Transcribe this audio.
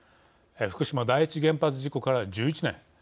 福島第一原発事故から１１年。